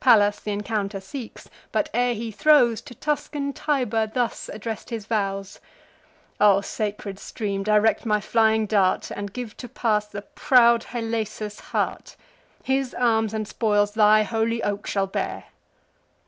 Pallas th' encounter seeks, but, ere he throws, To Tuscan Tiber thus address'd his vows: "O sacred stream, direct my flying dart, And give to pass the proud Halesus' heart! His arms and spoils thy holy oak shall bear."